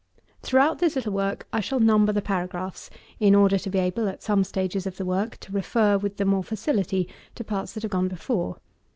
1. Throughout this little work, I shall number the Paragraphs, in order to be able, at some stages of the work, to refer, with the more facility, to parts that have gone before.